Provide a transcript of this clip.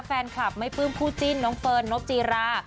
แฟนคลับไม่ปลื้มคู่จิ้นน้องเฟิร์นนบจีรา